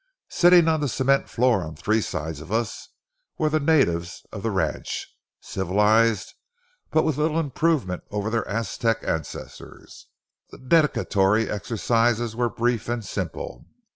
Sitting on the cement floor on three sides of us were the natives of the ranch, civilized but with little improvement over their Aztec ancestors. The dedicatory exercises were brief and simple.